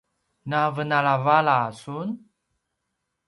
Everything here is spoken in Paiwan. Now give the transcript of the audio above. navenalavala sun!